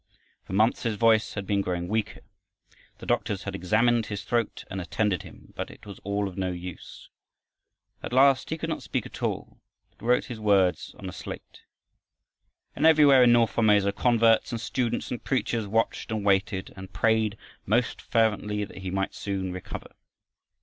For months his voice had been growing weaker, the doctors had examined his throat, and attended him, but it was all of no use. At last he could not speak at all, but wrote his words on a slate. And everywhere in north Formosa, converts and students and preachers watched and waited and prayed most fervently that he might soon recover.